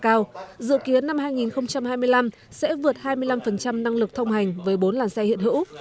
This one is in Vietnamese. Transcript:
cao dự kiến năm hai nghìn hai mươi năm sẽ vượt hai mươi năm năng lực thông hành với bốn làn xe hiện hữu